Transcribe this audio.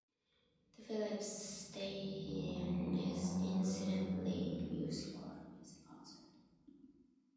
The Philips Stadion is incidentally used for music concerts.